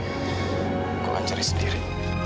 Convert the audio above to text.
aku akan cari sendiri